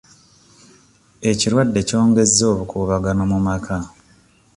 Ekirwadde kyongezza obukuubagano mu maka.